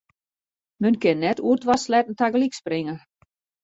Men kin net oer twa sleatten tagelyk springe.